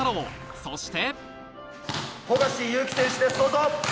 そして。